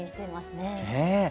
ねえ。